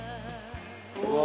うわ。